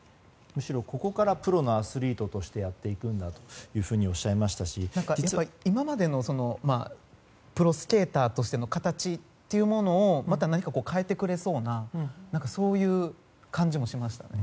むしろここからプロのアスリートとしてやっていくんだと今までのプロスケーターとしての形というものを変えてくれそうなそういう感じもしましたね。